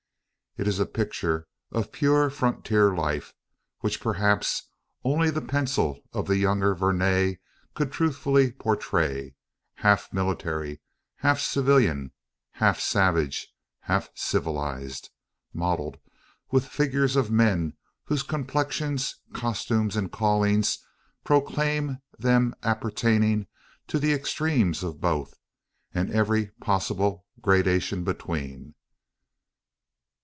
It is a picture of pure frontier life which perhaps only the pencil of the younger Vernet could truthfully portray half military, half civilian half savage, half civilised mottled with figures of men whose complexions, costumes, and callings, proclaim them appertaining to the extremes of both, and every possible gradation between.